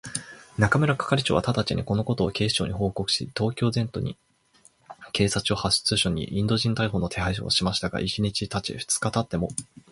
中村係長はただちに、このことを警視庁に報告し、東京全都の警察署、派出所にインド人逮捕の手配をしましたが、一日たち二日たっても、